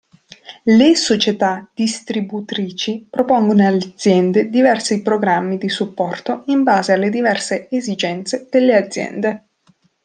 Le società distributrici propongono alle aziende diversi programmi di supporto in base alle diverse esigenze delle aziende.